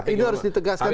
itu harus ditegaskan